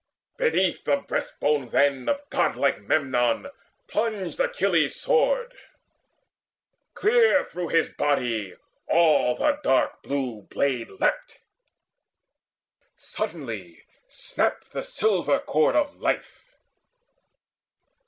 Beneath the breast bone then Of godlike Memnon plunged Achilles' sword; Clear through his body all the dark blue blade Leapt: suddenly snapped the silver cord of life.